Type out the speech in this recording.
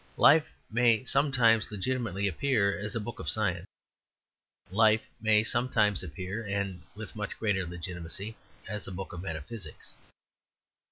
Life may sometimes legitimately appear as a book of science. Life may sometimes appear, and with a much greater legitimacy, as a book of metaphysics.